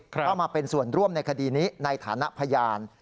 เข้ามาเป็นส่วนร่วมในคดีนี้ในฐานะพยาน